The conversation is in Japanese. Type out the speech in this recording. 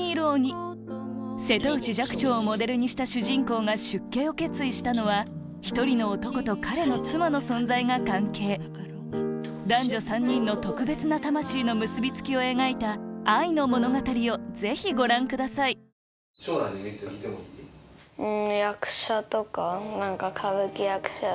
瀬戸内寂聴をモデルにした主人公が出家を決意したのは１人の男と彼の妻の存在が関係男女３人の特別な魂の結び付きを描いた愛の物語をぜひご覧くださいでも。